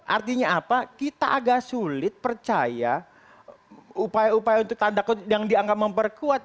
artinya apa kita agak sulit percaya upaya upaya untuk tanda kutip yang dianggap memperkuat